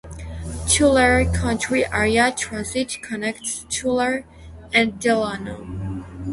Tulare County Area Transit connects Tulare and Delano.